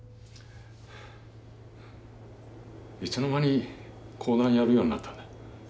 いつの間に講談やるようになったんだ？